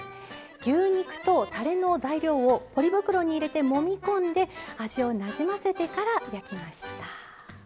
牛肉とたれの材料をポリ袋に入れてもみ込んで味をなじませてから焼きました。